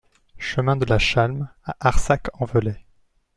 Chemin de la Chalm à Arsac-en-Velay